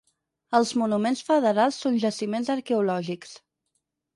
Els monuments federals són jaciments arqueològics.